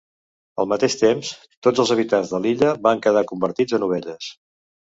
Al mateix temps, tots els habitants de l'illa van quedar convertits en ovelles.